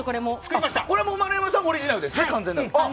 丸山さんオリジナルですね。